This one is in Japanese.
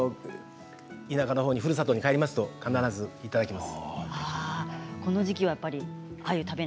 田舎のほうふるさとに帰りますと必ずいただきます。